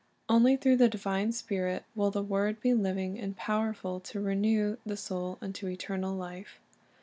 Only through the divine Spirit will the '^.j word be living and powerful to renew the soul unto eternal life.